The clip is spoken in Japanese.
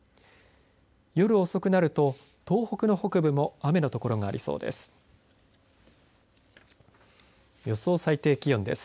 夜遅くなると東北の北部も雨の所がありそうです。